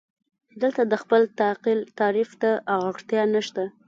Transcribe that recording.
دلته د خپل تعقل تعریف ته اړتیا نشته.